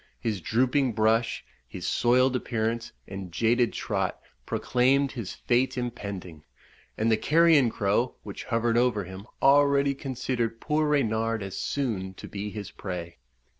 His drooping brush, his soiled appearance, and jaded trot, proclaimed his fate impending; and the carrion crow, which hovered over him, already considered poor Reynard as soon to be his prey.